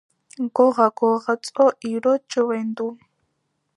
გოღა გოღაწო ირო ჭვენდუ